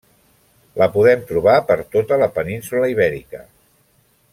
La podem trobar per tota la península Ibèrica.